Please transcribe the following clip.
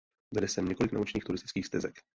Vede sem několik naučných turistických stezek.